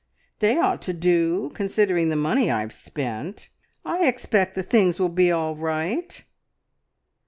They ought to do, considering the money I've spent! I expect the things will be all right."